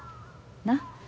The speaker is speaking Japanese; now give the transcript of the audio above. なっ？